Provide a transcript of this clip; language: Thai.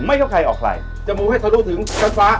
ไม่เคยใครออกไล่จะมูให้เขารู้ถึงพลักษณะฟ้า